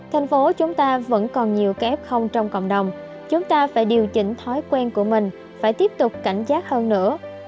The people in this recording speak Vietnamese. tp hcm vẫn còn nhiều cái ép không trong cộng đồng chúng ta phải điều chỉnh thói quen của mình phải tiếp tục cảnh giác hơn nữa